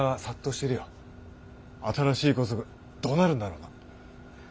新しい校則どうなるんだろうな。